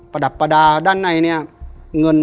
ประดับประดาษด้านในเนี่ยเงิน